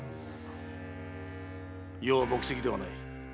余は木石ではない。